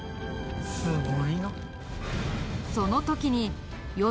「すごいな」